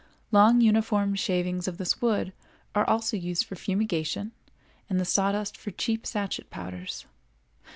Long uniform shavings of this wood are also used for fumigation, and the sawdust for cheap sachet powders.